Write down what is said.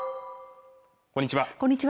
こんにちは